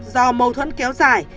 do mâu thuẫn kéo dài